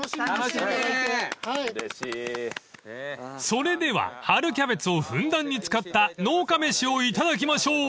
［それでは春キャベツをふんだんに使った農家飯をいただきましょう］